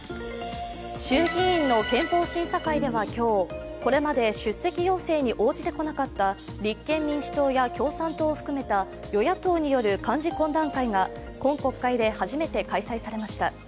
衆議院の憲法審査会では今日、これまで出席要請に応じてこなかった立憲民主党や共産党を含めた与野党による幹事懇談会が今国会で初めて開催されました。